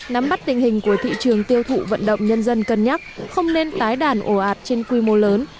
nắm bắt tình hình của thị trường tiêu thụ vận động nhân dân cân nhắc không nên tái đàn ổ ạt trên quy mô lớn